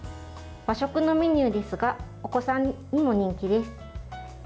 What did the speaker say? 和食のメニューですがお子さんにも人気です。